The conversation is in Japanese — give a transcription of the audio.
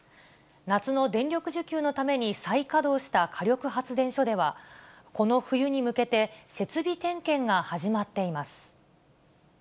夏の電力需給のために再稼働した火力発電所では、この冬に向けて、設備点検が始まっています。